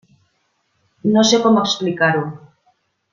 No sé com explicar-ho.